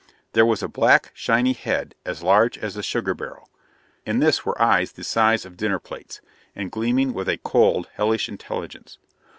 There was a black, shiny head as large as a sugar barrel. In this were eyes the size of dinner plates, and gleaming with a cold, hellish intelligence.